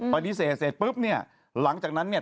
ปฏิเสธเสร็จปุ๊บเนี่ยหลังจากนั้นเนี่ย